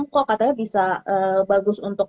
kok katanya bisa bagus untuk